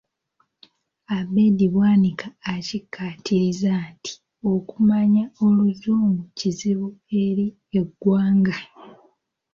Abed Bwanika akikkaatirizza nti okumanya Oluzungu kizibu eri eggwanga.